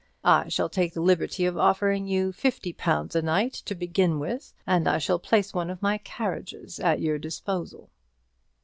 I shall take the liberty of offering you fifty pounds a night to begin with, and I shall place one of my carriages at your disposal."